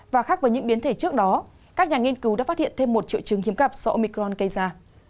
và khác với những biến thể trước đó các nhà nghiên cứu đã phát hiện thêm một triệu chứng hiếm gặp do omicron gây ra